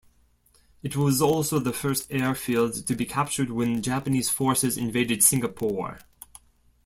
It was also the first airfield to be captured when Japanese forces invaded Singapore.